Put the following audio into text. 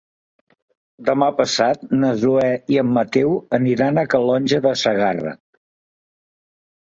Demà passat na Zoè i en Mateu aniran a Calonge de Segarra.